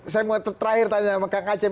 saya mau terakhir tanya sama kak acep